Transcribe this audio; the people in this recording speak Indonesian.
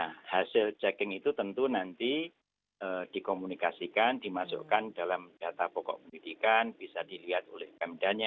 nah hasil checking itu tentu nanti dikomunikasikan dimasukkan dalam data pokok pendidikan bisa dilihat oleh pemdanya